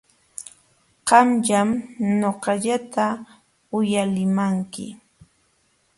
Qamllam ñuqallata uyalimanki.